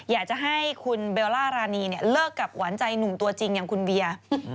อยากจะให้คุณเบลล่ารานีเนี่ยเลิกกับหวานใจหนุ่มตัวจริงอย่างคุณเบียร์